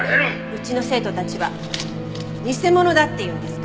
うちの生徒たちは偽物だっていうんですか？